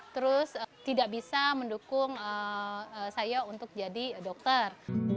terus tidak bisa mendukung saya untuk jadi dokter